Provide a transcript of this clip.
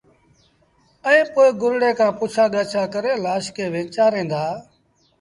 ائيٚݩ پو گُرڙي کآݩ پڇآ ڳآڇآ ڪري لآش کي وينچآرين دآ